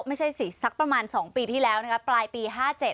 ไม่ใช่สิสักประมาณ๒ปีที่แล้วนะคะปลายปี๕๗